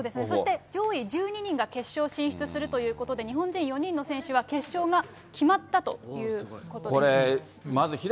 そして上位１２人が決勝進出するということで、日本人４人の選手は決勝が決まったということです。